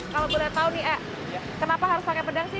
kalau boleh tahu nih eh kenapa harus pakai pedang sih